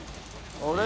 あれ？